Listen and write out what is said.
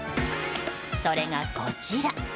それが、こちら。